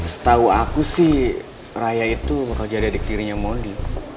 setau aku sih raya itu bakal jadi adik kirinya mundi